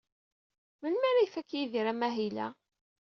Melmi ara ifak Yidir amahil-a?